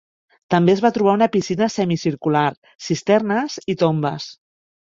També es va trobar una piscina semicircular, cisternes i tombes.